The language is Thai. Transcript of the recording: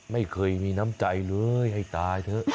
ไม่เคยมีน้ำใจเลยให้ตายเถอะ